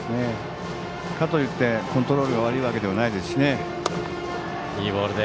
かといってコントロールが悪いわけではないですしね。